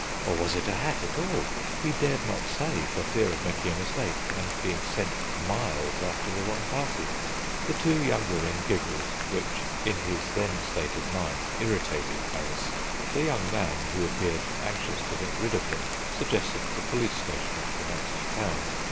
Or was it a hat at all? He dared not say, for fear of making a mistake and being sent miles after the wrong party. The two young women giggled, which in his then state of mind irritated Harris. The young man, who appeared anxious to get rid of him, suggested the police station at the next town.